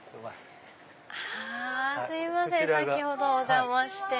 すいません先ほどお邪魔して。